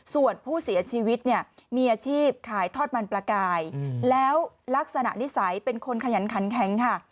ส่วนผู้เสียชีวิตเนี่ยมีอาชีพขายทอดมันปลากายแล้วลักษณะนิสัยเป็นคนขยันขันแข็งค่ะ